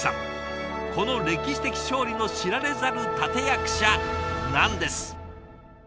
この歴史的勝利の知られざる立て役者なんです。